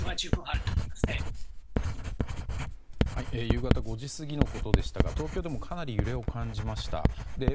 夕方５時過ぎのことでしたが東京でもかなり揺れを感じました。